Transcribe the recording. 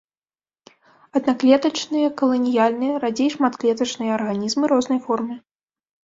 Аднаклетачныя, каланіяльныя, радзей шматклетачныя арганізмы рознай формы.